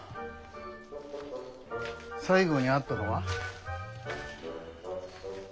最後に会ったのは？